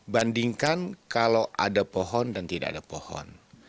bandingkan kalau ada pohon dan tidak ada pohon